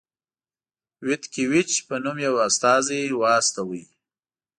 ویتکي ویچ په نوم یو استازی واستاوه.